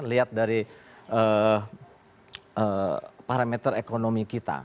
lihat dari parameter ekonomi kita